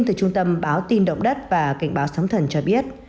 tâm báo tin động đất và cảnh báo sống thần cho biết